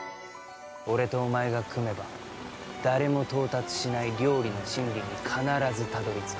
俺とお前が組めば、誰も到達しない料理の真理に必ずたどりつく。